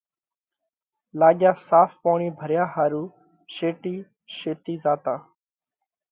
لاڳيا صاف پوڻِي ڀريا ۿارُو شيٽي شيتي زاتا۔